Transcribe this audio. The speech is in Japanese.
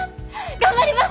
頑張ります！